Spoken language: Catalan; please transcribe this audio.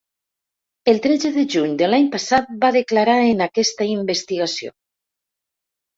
El tretze de juny de l’any passat va declarar en aquesta investigació.